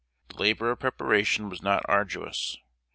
The labor of preparation was not arduous.